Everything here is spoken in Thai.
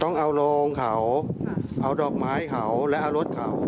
ต้องเอาโรงเขาเอาดอกไม้เขาและเอารถเขา